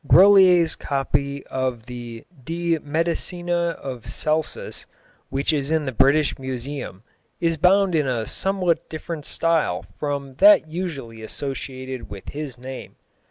Grolier's copy of the De Medicina of Celsus, which is in the British Museum, is bound in a somewhat different style from that usually associated with his name.